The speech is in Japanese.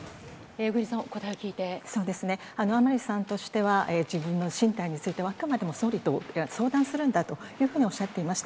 小栗さん、そうですね、甘利さんとしては、自分の進退については、あくまでも総理と相談するんだというふうにおっしゃっていました。